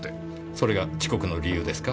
それが遅刻の理由ですか？